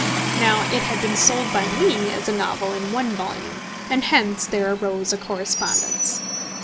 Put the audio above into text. Now it had been sold by me as a novel in one volume, and hence there arose a correspondence.